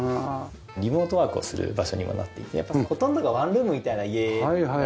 リモートワークをする場所に今なっていてほとんどがワンルームみたいな家なんですよね我が家は。